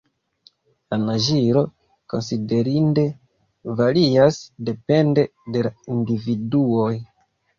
La naĝilo konsiderinde varias depende de la individuoj.